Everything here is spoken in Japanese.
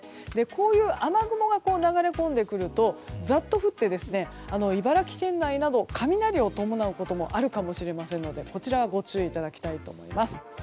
こういう雨雲が流れ込んでくるとざっと降って、茨城県内など雷を伴うこともあるかもしれませんのでこちらはご注意いただきたいと思います。